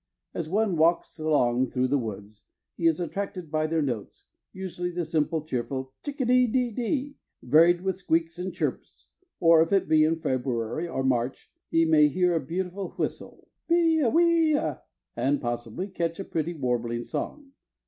As one walks along through the woods, he is attracted by their notes, usually the simple, cheerful "chic a dee ee e e," varied with squeaks and chirps, or if it be in February or March, he may hear a beautiful whistle ("pee a wee a"), and possibly catch a pretty warbling song.